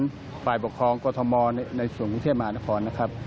ไม่ว่าจะเป็นของทหารฝ่ายปกครองกฎมในส่วนกรุงเทพมหาละครนะครับ